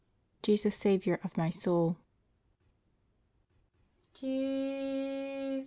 Jesus! Saviour of My Soul 1. Jesus!